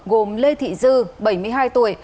gồm lê thị dư bảy mươi hai tuổi